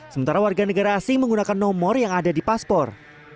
sementara warga negara asing menggunakan nomor yang ada di paspor